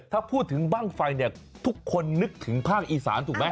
ถ้าพูดถึงบ้างไฟเนี่ยทุกคนนึกถึงภาคอีสานถูกไหม